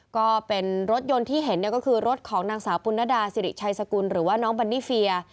ก็เป็นรถยนต์ที่เห็นก็คือรถของนางสาวปุณดาสิริชัยสกุลหรือว่าน้องบันนี่เฟีย